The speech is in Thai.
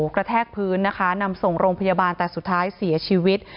กระแทกพื้นนะคะนำส่งโรงพยาบาลแต่สุดท้ายเสียชีวิต